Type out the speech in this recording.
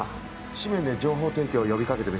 誌面で情報提供呼び掛けてみる。